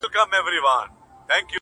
o شېخ د خړپا خبري پټي ساتي؛